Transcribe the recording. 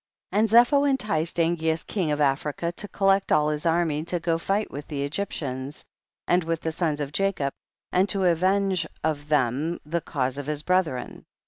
4. And Zepho enticed Angeas king of Africa to collect all his army to go and fight with the Egyptians, and with the sons of Jacob, and to avenge of them the cause of his brethren.